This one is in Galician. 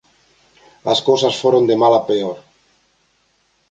As cousas foron de mal a peor.